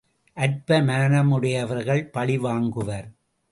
அற்ப மனமுடையவர்கள் பழிவாங்குவர்.